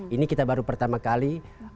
ini kita baru pertama kali